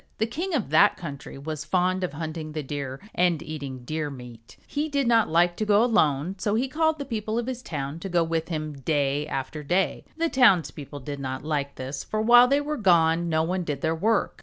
The king of that country was fond of hunting the Deer and eating deer meat. He did not like to go alone so he called the people of his town to go with him, day after day. The townspeople did not like this for while they were gone no one did their work.